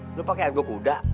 belum pakai argo kuda